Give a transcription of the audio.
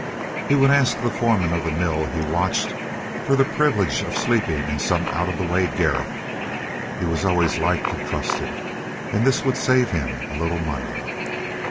He would ask the foreman of the mill he watched for the privilege of sleeping in some out of the way garret. He was always liked and trusted. And this would save him a little money.